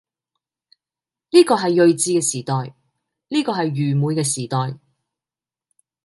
呢個係睿智嘅時代，呢個係愚昧嘅時代，